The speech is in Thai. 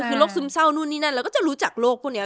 คือโรคซึมเศร้านู่นนี่นั่นเราก็จะรู้จักโรคพวกนี้